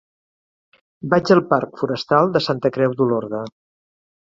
Vaig al parc Forestal de Santa Creu d'Olorda.